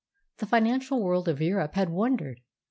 The financial world of Europe had wondered.